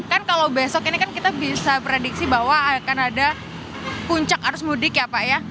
kan kalau besok ini kan kita bisa prediksi bahwa akan ada puncak arus mudik ya pak ya